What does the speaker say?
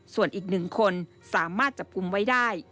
ส่วนอีก๑คนสามารถจับกลุ่มไว้ได้